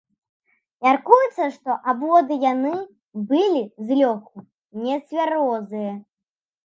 Мяркуецца, што абодва яны былі злёгку нецвярозыя.